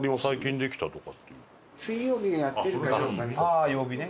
ああ曜日ね。